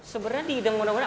sebenarnya di idang moda moda